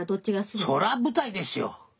そら舞台ですよ。